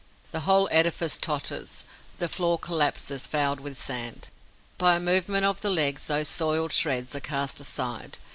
The whole edifice totters, the floor collapses, fouled with sand. By a movement of the legs, those soiled shreds are cast aside.